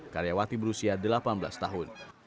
karyawati berusia delapan belas tahun